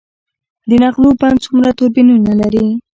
د نغلو بند څومره توربینونه لري؟